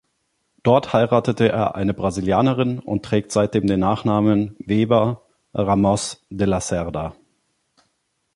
Dort heiratete er eine Brasilianerin und trägt seitdem den Nachnamen "Weber Ramos de Lacerda".